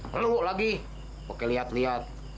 lalu lagi pakai liat liat